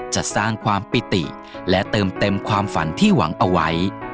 จะสร้างความปิติและเติมเต็มความฝันที่หวังเอาไว้